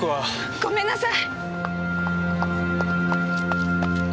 ごめんなさい！